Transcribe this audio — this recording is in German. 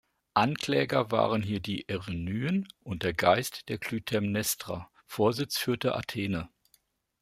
Ankläger waren hier die Erinnyen und der Geist der Klytämnestra, Vorsitz führte Athene.